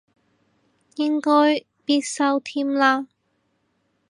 應該必修添啦